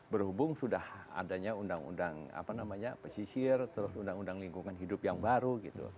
berhubung sudah adanya undang undang pesisir terus undang undang lingkungan hidup yang baru gitu